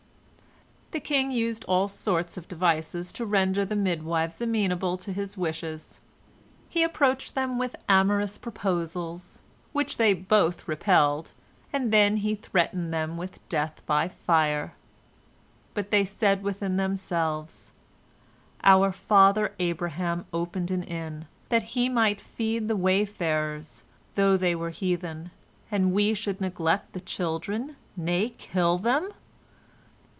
" The king used all sorts of devices to render the midwives amenable to his wishes. He approached them with amorous proposals, which they both repelled, and then he threatened them with death by fire. But they said within themselves: "Our father Abraham opened an inn, that he might feed the wayfarers, though they were heathen, and we should neglect the children, nay, kill them?